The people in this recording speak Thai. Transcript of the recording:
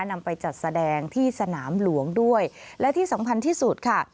นำไปจัดแสดงที่สนามหลวงด้วยและที่สำคัญที่สุดค่ะ